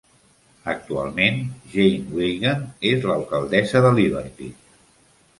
Actualment, Jane Weigand és l'alcaldessa de Liberty.